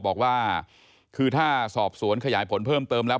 บอกว่าคือถ้าสอบสวนขยายผลเพิ่มเติมแล้ว